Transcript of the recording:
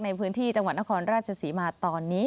ในพื้นที่จังหวัดนครราชศรีมาตอนนี้